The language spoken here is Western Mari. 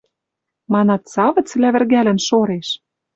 Манат, савыц лявӹргӓлӹн шореш?